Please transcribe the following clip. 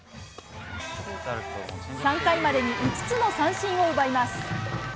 ３回までに５つの三振を奪います。